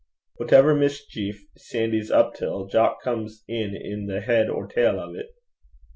'Whatever mischeef Sandy's up till, Jock comes in i' the heid or tail o' 't.'